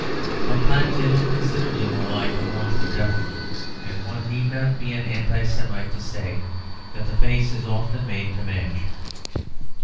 Sometimes they look considerably more like the horns of a devil; and one need not be an Anti Semite to say that the face is often made to match.